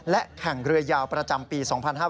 และแข่งเรือยาวประจำปี๒๕๕๙